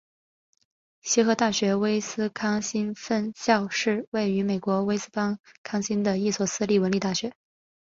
协和大学威斯康辛分校是位于美国威斯康辛州的一所私立文理大学。